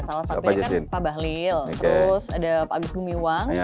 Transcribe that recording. salah satunya kan pak bahlil terus ada pak agus gumiwang